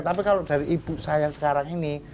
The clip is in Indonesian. tapi kalau dari ibu saya sekarang ini